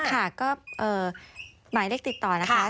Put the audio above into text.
ค่ะก็หมายเลขติดต่อนะคะ๐๙๓๖๒๙๔๒๓๖ค่ะ